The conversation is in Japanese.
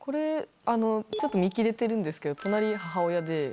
ちょっと見切れてるんですけど隣母親で。